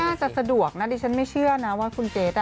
น่าจะสะดวกนะดิฉันไม่เชื่อนะว่าคุณเกรท